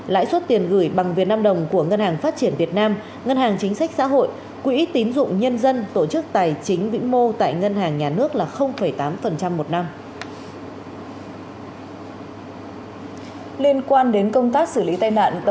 lãi suất tiền gửi bằng việt nam đồng của ngân hàng phát triển việt nam ngân hàng chính sách xã hội quỹ tín dụng nhân dân tổ chức tài chính vĩ mô tại ngân hàng nhà nước là tám một năm